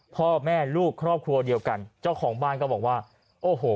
พ่อแม่ลูกครอบครัวเดียวกันเจ้าของบ้านก็บอกว่าโอ้โห